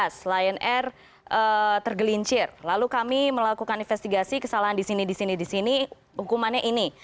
dua puluh delapan april dua ribu delapan belas lion air tergelincir lalu kami melakukan investigasi kesalahan di sini di sini di sini hukumannya ini